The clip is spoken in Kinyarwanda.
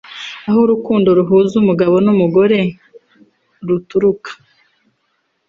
aho urukundo ruhuza umugabo n’umugore ruturuka